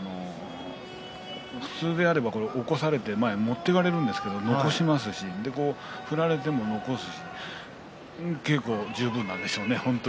普通であれば、起こされて持っていかれるんですが残しますし、振られても残すし稽古十分なんでしょうね。